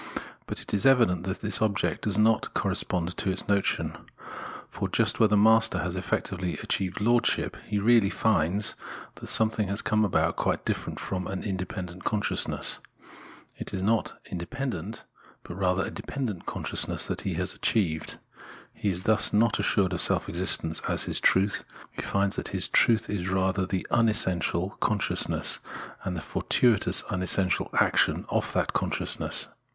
But it is evident that this object does not correspond to its notion ; for, just where the master has effectively achieved lordship, he really finds that something has come about quite different from an independent consciousness. It is not an inde pendent, but rather a dependent consciousness that he has achieved. He is thus not assured of seK existence as his truth ; he finds that his truth is rather the un essential consciousness, and the fortuitous unessential action of that consciousness.